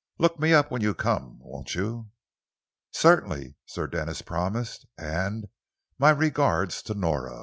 Look me up when you come, won't you?" "Certainly," Sir Denis promised. "And my regards to Nora!"